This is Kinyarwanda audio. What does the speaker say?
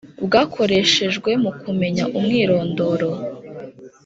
Bwakoreshejwe Mu Kumenya Umwirondoro